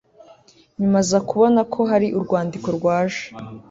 nyuma aza kubona ko hari urwandiko rwaje